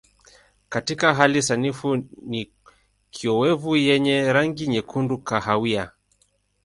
Katika hali sanifu ni kiowevu yenye rangi nyekundu kahawia.